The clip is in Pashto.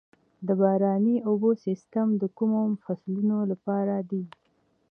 د باراني اوبو سیستم د کومو فصلونو لپاره دی؟